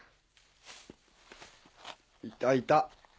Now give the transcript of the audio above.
いたいた。